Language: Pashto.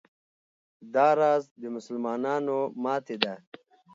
دا راز د مسلمانانو ماتې ده.